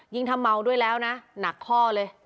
ถ้าเมาด้วยแล้วนะหนักข้อเลย